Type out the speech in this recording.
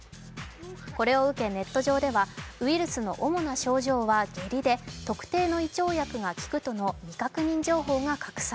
これを受けネット上ではウイルスの主な症状は下痢で、特定の胃腸薬が効くとの未確認情報が拡散。